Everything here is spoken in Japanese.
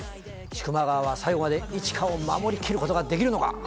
千曲川は最後まで一華を守りきることができるのか？